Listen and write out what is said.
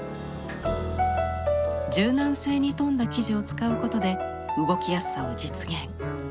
柔軟性に富んだ生地を使うことで動きやすさを実現。